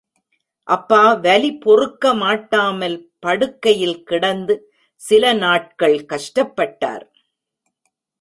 அப்பா வலி பொறுக்க மாட்டாமல் படுக்கையில் கிடந்து சில நாட்கள் கஷ்டப்பட்டார்.